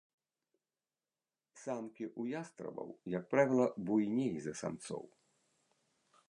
Самкі ў ястрабаў, як правіла, буйней за самцоў.